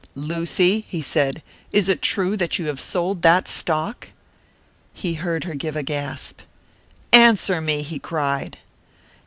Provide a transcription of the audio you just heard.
"Lucy," he said, "is it true that you have sold that stock?" He heard her give a gasp. "Answer me!" he cried.